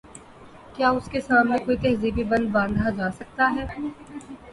کیا اس کے سامنے کوئی تہذیبی بند باندھا جا سکتا ہے؟